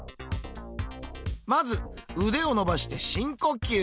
まず腕を伸ばして深呼吸。